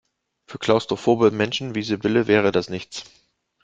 Für klaustrophobe Menschen wie Sibylle wäre das nichts.